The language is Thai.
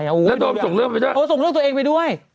น่ะโดมส่งเรื่องตัวเองไปใช่ไหมเกิดไปโอ้ส่งเรื่องตัวเองไปด้วย